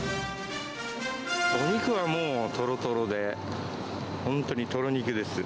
お肉はもうとろとろで、本当にとろ肉です。